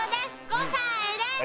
５歳です